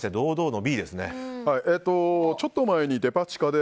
ちょっと前にデパ地下で